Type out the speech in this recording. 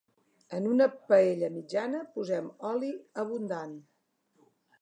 En una paella mitjana posem oli abundant.